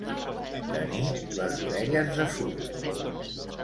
Tenir les orelles de suro.